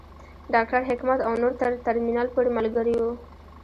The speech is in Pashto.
ډاکټر حکمت او نور تر ترمینل پورې ملګري وو.